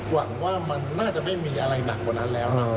หวังว่ามันน่าจะไม่มีอะไรหนักกว่านั้นแล้ว